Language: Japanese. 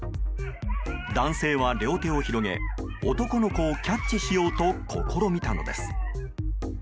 男性は両手を広げ、男の子をキャッチしようと試みたのです。